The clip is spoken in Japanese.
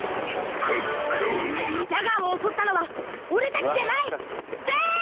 ジャガーを襲ったのは俺たちじゃない！